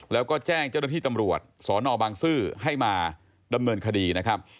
แล้วก็แจ้งเจ้าหน้าที่ตำรวจสนบางซื่อให้มาดำเนินคดีนะครับ